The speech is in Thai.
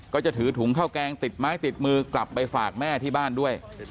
ก็จะถือถุงข้าวแกงติดไม้ติดมือกลับไปฝากแม่ที่บ้านด้วย